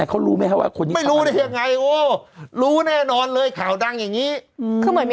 เขามีเครื่องนะ